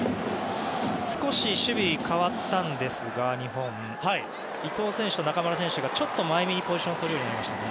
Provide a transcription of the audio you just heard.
少し日本の守備が変わったんですが伊東選手と中村選手がちょっと前めにポジションとれるようになりましたね。